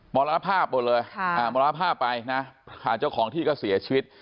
มรณภาพหมดเลยมรณภาพไปนะเจ้าของที่ก็เสียชีวิต